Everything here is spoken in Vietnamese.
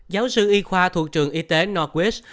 giáo sư y khoa thuộc trường y tế norwich